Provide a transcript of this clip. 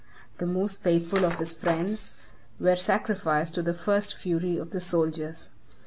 The most faithful of his friends were sacrificed to the first fury of the soldiers.